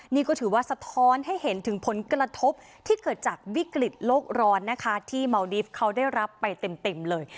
นี่ก็ถือว่าสะท้อนให้เห็นถึงผลกระทบที่เกิดจากวิกฤตโลกร้อนนะคะที่เมาดิฟต์เขาได้รับไปเต็มเลย